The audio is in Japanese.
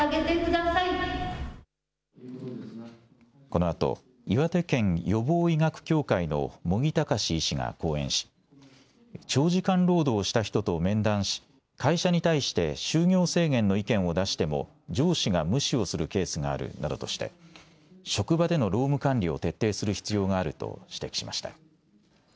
このあと岩手県予防医学協会の茂木隆医師が講演し長時間労働した人と面談し会社に対して就業制限の意見を出しても上司が無視をするケースがあるなどとして職場での労務管理を徹底する必要があると指摘しました。